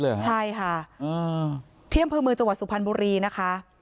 เลยครับใช่ค่ะเที่ยมเมืองจังหวัดสุพรรณบุรีนะคะ